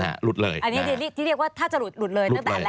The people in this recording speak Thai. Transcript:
อันนี้ที่เรียกว่าถ้าจะหลุดเลยตั้งแต่แรก